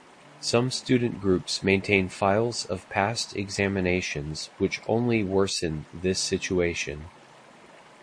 Some student groups maintain files of past examinations which only worsen this situation.